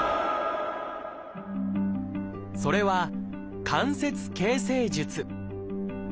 それは「関節形成術」。